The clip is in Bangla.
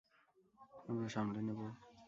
আমরা সামলে নেব।